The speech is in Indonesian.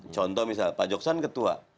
contoh misal pak joksan ketua